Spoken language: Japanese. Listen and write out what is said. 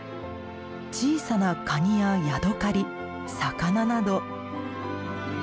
小さなカニやヤドカリ魚など。